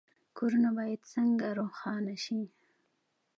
کورونه باید څنګه روښانه شي؟